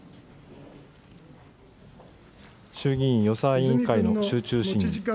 衆議院予算委員会の集中審議。